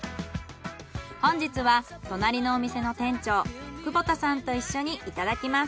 本日は隣のお店の店長久保田さんと一緒にいただきます。